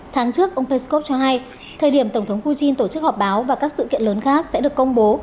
tháng trước ông peskov cho hay thời điểm tổng thống putin tổ chức họp báo và các sự kiện lớn khác sẽ được công bố